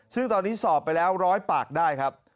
ซึ่งตอนนี้สอบไปแล้ว๑๐๐ปากได้ครับ